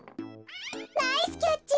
ナイスキャッチ！